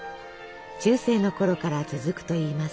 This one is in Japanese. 中世のころから続くといいます。